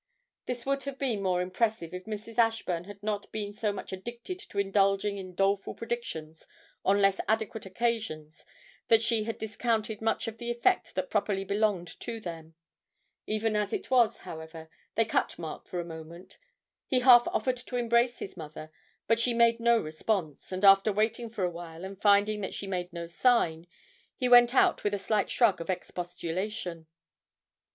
This would have been more impressive if Mrs. Ashburn had not been so much addicted to indulging in such doleful predictions on less adequate occasions that she had discounted much of the effect that properly belonged to them; even as it was, however, they cut Mark for the moment; he half offered to embrace his mother, but she made no response, and after waiting for a while, and finding that she made no sign, he went out with a slight shrug of expostulation.